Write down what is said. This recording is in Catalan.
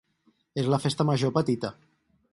És la Festa Major petita.